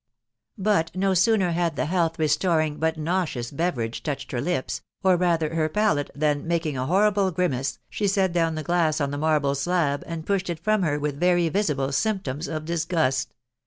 But no sooner had the health restoring but nauseous beverage touched her lips, or rather her palate, than, making a horrible grimace, she set down thejglass on the marble slab, and pushed it from her with very visible symptoms of disgust.